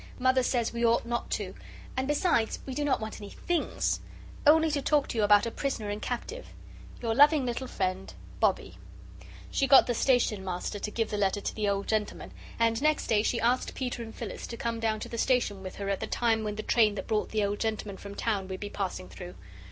Mother says we ought not to. And besides, we do not want any THINGS. Only to talk to you about a Prisoner and Captive. Your loving little friend, "Bobbie." She got the Station Master to give the letter to the old gentleman, and next day she asked Peter and Phyllis to come down to the station with her at the time when the train that brought the old gentleman from town would be passing through.